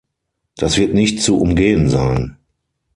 Das wird nicht zu umgehen sein.